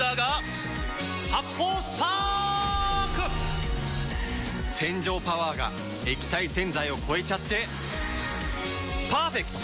発泡スパーク‼洗浄パワーが液体洗剤を超えちゃってパーフェクト！